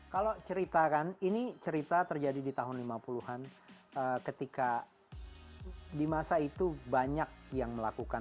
kalau cerita kan ini cerita terjadi di tahun lima puluh an ketika di masa itu banyak yang melakukan